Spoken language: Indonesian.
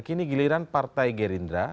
kini giliran partai gerindra